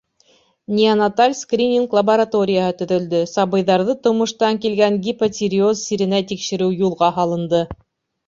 Неонаталь скрининг лабораторияһы төҙөлдө, сабыйҙарҙы тыумыштан килгән гипотиреоз сиренә тикшереү юлға һалынды.